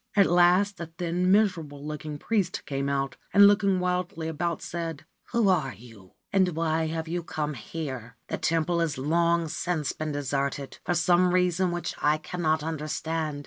At last a thin, miserable looking priest came out, and, looking wildly about, said :' Who are you, and why have you come here ? The temple has long since been deserted, for some reason which I cannot understand.